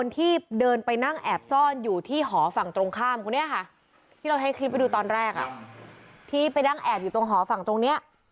ที่ไปนั่งแอบอยู่ตรงหอฝั่งตรงเนี้ย